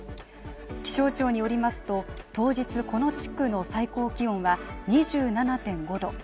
気象庁によりますと、当日この地区の最高気温は２７．５度。